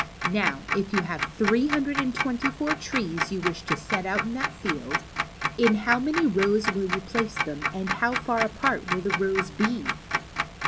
Now, if you have three hundred and twenty four trees you wish to set out in that field, in how many rows will you place them, and how far apart will the rows be